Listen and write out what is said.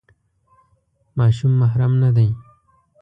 ماشوم محرم نه دی.